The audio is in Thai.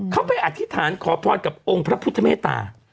เขาไปอธิษฐานขอพรกับองค์พระพุทธเมตตา